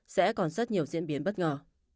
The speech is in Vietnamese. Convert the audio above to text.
sẽ còn rất nhiều diễn biến bất ngờ